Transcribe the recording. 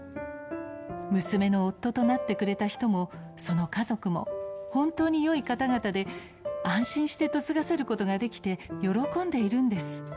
娘の夫となってくれた人もその家族も、本当によい方々で安心して嫁がせることができて喜んでいるんです。